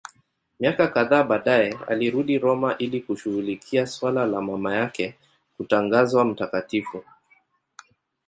Miaka kadhaa baadaye alirudi Roma ili kushughulikia suala la mama yake kutangazwa mtakatifu.